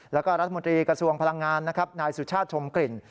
แล้วก็รัฐมนตรีกระทรวงพลังงานนะครับนายสุชาติชมกลิ่น